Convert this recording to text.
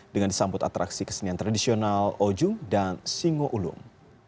dengan disambut atraksi kesenian tradisional ojung dan singo ulung